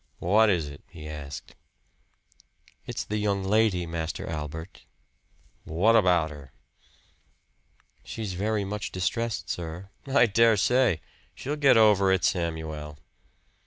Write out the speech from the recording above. "What is it?" he asked. "It's the young lady, Master Albert." "What about her?" "She's very much distressed, sir." "I dare say. She'll get over it, Samuel."